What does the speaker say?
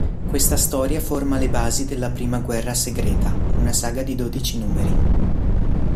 Questa storia forma le basi della prima Guerra Segreta, una saga di dodici numeri.